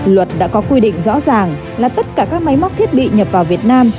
luật đã có quy định rõ ràng là tất cả các máy móc thiết bị nhập vào việt nam